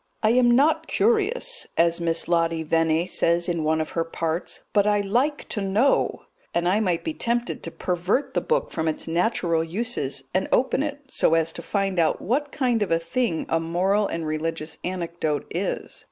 "I am not curious," as Miss Lottie Venne says in one of her parts, "but I like to know," and I might be tempted to pervert the book from its natural uses and open it, so as to find out what kind of a thing a moral and religious anecdote is.